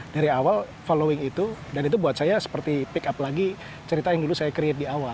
dari awal following itu dan itu buat saya seperti pick up lagi cerita yang dulu saya create di awal